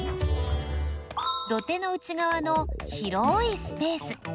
土手の内がわの広いスペース。